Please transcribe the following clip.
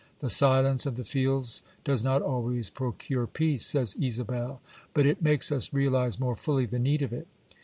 " The silence of the fields does not always procure peace," says Isabelle, " but it makes us realise more fully the need of it."